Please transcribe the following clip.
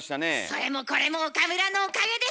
それもこれも岡村のおかげです！